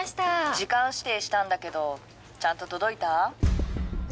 時間指定したんだけどちゃんと届いた？